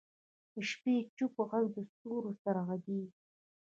د شپې چوپ ږغ د ستورو سره غږېږي.